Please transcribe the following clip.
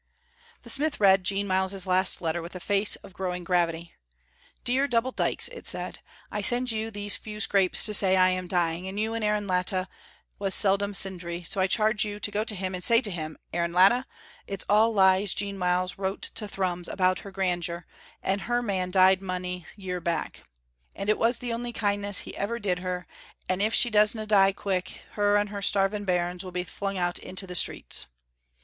The smith read Jean Myles's last letter, with a face of growing gravity. "Dear Double Dykes," it said, "I send you these few scrapes to say I am dying, and you and Aaron Latta was seldom sindry, so I charge you to go to him and say to him 'Aaron Latta, it's all lies Jean Myles wrote to Thrums about her grandeur, and her man died mony year back, and it was the only kindness he ever did her, and if she doesna die quick, her and her starving bairns will be flung out into the streets.'